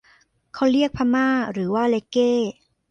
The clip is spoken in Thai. เค้าเรียกพม่าหรือว่าเร็กเก้ !